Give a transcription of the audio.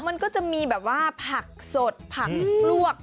มันก็จะมีแบบว่าผักสดผักลวก